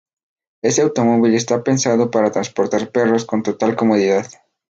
Este automóvil está pensado para transportar perros con total comodidad.